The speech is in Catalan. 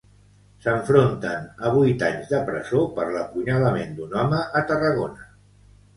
S'enfronten a vuit anys de presó per l'apunyalament d'un home a Tarragona.